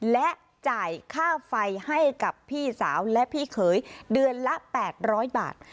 และจ่ายค่าไฟให้กับพี่สาวและพี่เขยเดือนละ๘๐๐บาท